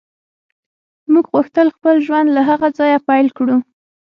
موږ غوښتل خپل ژوند له هغه ځایه پیل کړو